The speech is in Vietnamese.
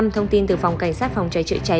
thông tin từ phòng cảnh sát phòng cháy chữa cháy